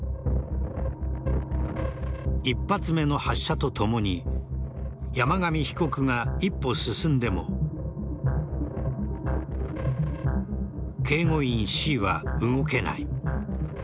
１発目の発射とともに山上被告が一歩進んでも警護員Ｃは動けない。